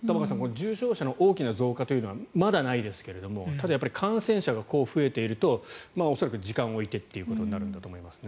重症者の大きな増加というのはまだないですがただ感染者が増えていると恐らく時間をおいてということになるんだと思います。